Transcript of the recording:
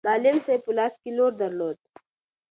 معلم صاحب په لاس کې لور درلود.